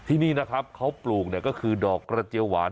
ที่นี่นะครับเขาปลูกก็คือดอกกระเจียวหวาน